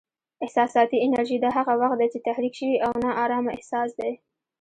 احساساتي انرژي: دا هغه وخت دی چې تحریک شوی او نا ارامه احساس دی.